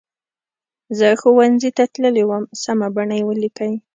زه ښوونځي ته تللې وم سمه بڼه یې ولیکئ.